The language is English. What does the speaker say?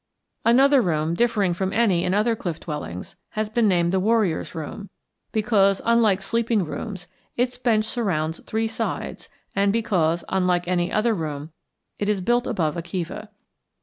Another room, differing from any in other cliff dwellings, has been named the Warriors' Room because, unlike sleeping rooms, its bench surrounds three sides, and because, unlike any other room, it is built above a kiva.